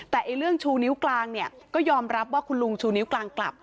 แต่เรื่องชูนิ้วกลางเนี่ยก็ยอมรับว่าคุณลุงชูนิ้วกลางกลับ